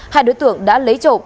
hai đối tượng đã lấy trộm